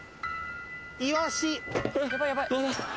イワシ。